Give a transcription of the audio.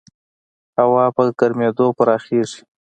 هوا په ګرمېدو پراخېږي.